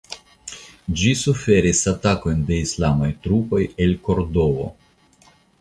Ĝi suferis atakojn de islamaj trupoj el Kordovo.